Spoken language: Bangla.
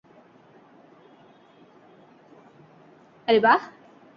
আরে, বাহ।